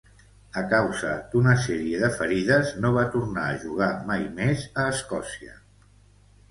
A causa d'una sèrie de ferides, no va tornar a jugar mai més a Escòcia.